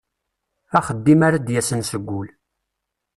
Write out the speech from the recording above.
Axeddim ara d-yasen seg wul.